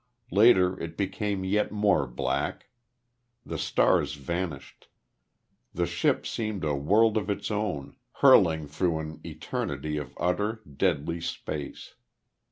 Later it became yet more black. The stars vanished.... The ship seemed a world of its own, hurling through an eternity of utter, deadly space.